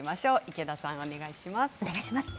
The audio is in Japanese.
池田さん、お願いします。